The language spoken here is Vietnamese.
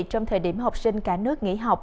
trong thời điểm học sinh cả nước nghỉ học